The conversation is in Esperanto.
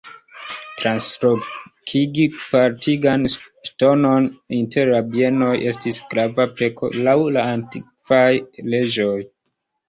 Translokigi partigan ŝtonon inter la bienoj estis grava peko laŭ la antikvaj leĝoj.